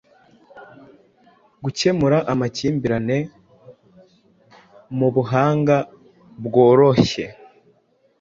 gukemura amakimbirane, nubuhanga bworohye